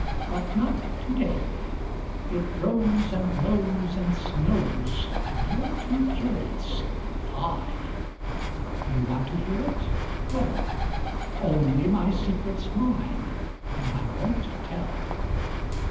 But not to day; it froze, and blows, and snows, And you're too curious: fie! You want to hear it? well: Only, my secret's mine, and I won't tell.